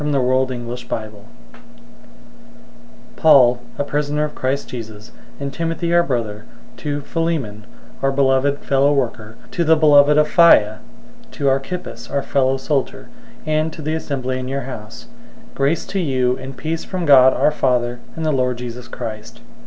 Book 57 Philemon 001:001 Paul, a prisoner of Christ Jesus, and Timothy our brother, to Philemon, our beloved fellow worker, 001:002 to the beloved Apphia, to Archippus, our fellow soldier, and to the assembly in your house: 001:003 Grace to you and peace from God our Father and the Lord Jesus Christ.